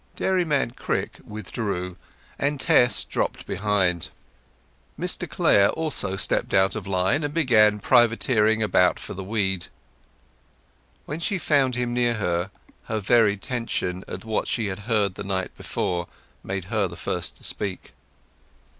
Dairyman Crick withdrew, and Tess dropped behind. Mr Clare also stepped out of line, and began privateering about for the weed. When she found him near her, her very tension at what she had heard the night before made her the first to speak.